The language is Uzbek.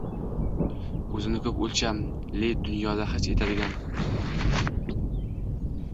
o‘zini ko‘p o‘lchamli dunyoda his etadigan